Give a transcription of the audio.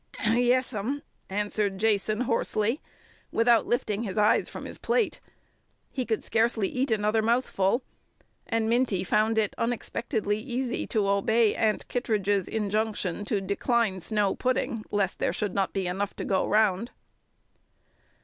"Yes'm," answered Jason hoarsely, without lifting his eyes from his plate. He could scarcely eat another mouthful, and Minty found it unexpectedly easy to obey Aunt Kittredge's injunction to decline snow pudding lest there should not be "enough to go round."